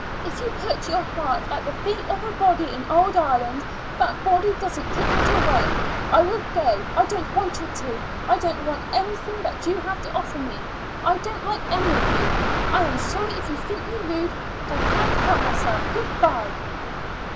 If you put your heart at the feet of a body in old Ireland, that body doesn't kick it away. I will go. I don't want your tea. I don't want anything that you have to offer me. I don't like any of you. I am sorry if you think me rude, but I can't help myself. Good bye."